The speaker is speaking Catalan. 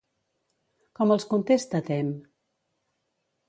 Com els contesta Tem?